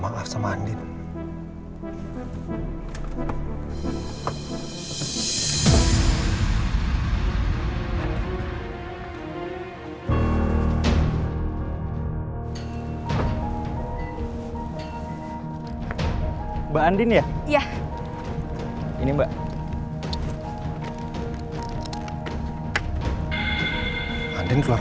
karena sampai kapan